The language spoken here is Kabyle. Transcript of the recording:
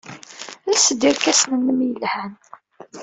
Els-d irkasen-nnem yelhan.